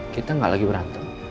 kita gak lagi berantem